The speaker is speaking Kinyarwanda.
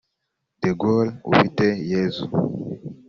De Gaule Ufiteyezu